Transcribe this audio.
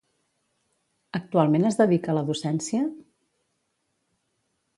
Actualment es dedica a la docència?